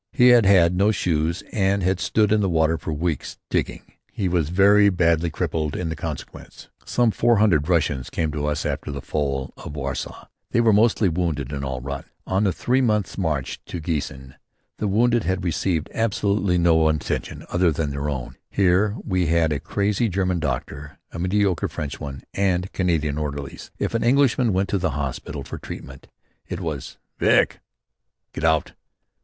He had had no shoes and had stood in the water for weeks, digging. He was very badly crippled in consequence. Some four hundred Russians came to us after the fall of Warsaw. They were mostly wounded and all rotten. On the three months' march to Giessen the wounded had received absolutely no attention other than their own. Here we had a crazy German doctor, a mediocre French one and Canadian orderlies. If an Englishman went to the hospital for treatment it was "Vick!" Get out.